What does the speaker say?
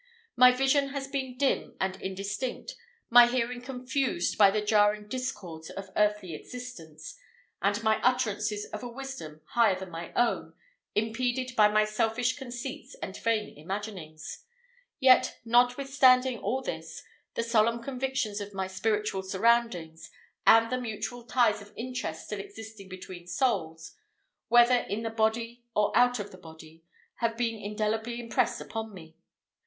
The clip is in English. My vision has been dim and indistinct, my hearing confused by the jarring discords of earthly existence, and my utterances of a wisdom, higher than my own, impeded by my selfish conceits and vain imaginings. Yet, notwithstanding all this, the solemn convictions of my spiritual surroundings, and the mutual ties of interest still existing between souls, "whether in the body or out of the body," have been indelibly impressed upon me.